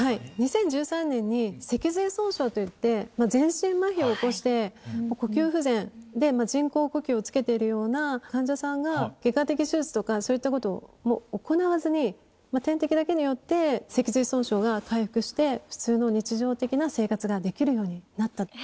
２０１３年に脊髄損傷といって、全身まひを起こして、呼吸不全で人工呼吸をつけているような患者さんが外科的手術とかそういったことも行わずに、点滴だけによって、脊髄損傷が回復して、普通の日常的な生活ができるようになった。